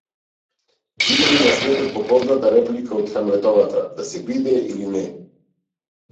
Има ли на светот попозната реплика од Хамлетовата: да се биде или не?